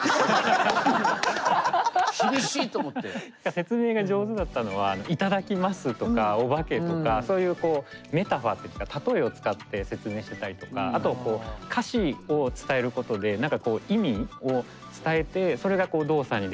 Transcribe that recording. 説明が上手だったのは「いただきます」とか「おばけ」とかそういうメタファーっていうんですかたとえを使って説明してたりとかあとは歌詞を伝えることで何かこう意味を伝えてそれが動作に連動するみたいな。